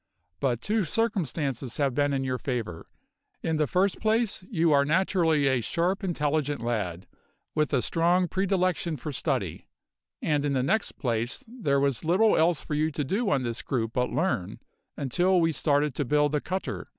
But two circumstances have been in your favour; in the first place you are naturally a sharp, intelligent lad, with a strong predilection for study; and in the next place there was little else for you to do on this group but learn, until we started to build the cutter.